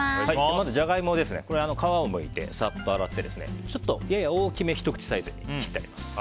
まずジャガイモ皮をむいて、さっと洗ってちょっと、やや大きめのひと口サイズに切ってあります。